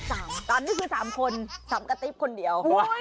สามตอนนี้คือสามคนสามกระติบคนเดียว